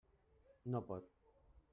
No pot.